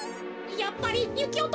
やっぱりゆきおとこか？